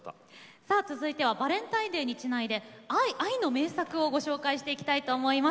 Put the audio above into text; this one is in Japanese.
さあ続いてはバレンタインデーにちなんで愛の名作をご紹介していきたいと思います。